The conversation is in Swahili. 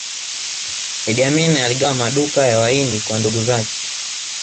iddi amini aligawa maduka ya wahindi kwa ndugu zake